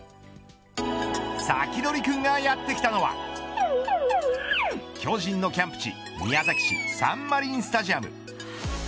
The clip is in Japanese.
サキドリ君がやってきたのは巨人のキャンプ地宮崎市サンマリンスタジアム。